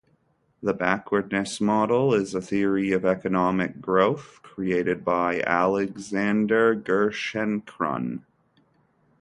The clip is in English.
The Backwardness Model is a theory of economic growth created by Alexander Gerschenkron.